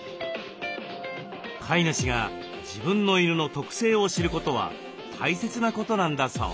飼い主が自分の犬の特性を知ることは大切なことなんだそう。